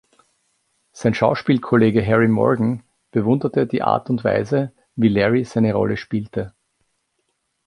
Sein Schauspielkollege Harry Morgan bewunderte die Art und Weise, wie Larry seine Rolle spielte.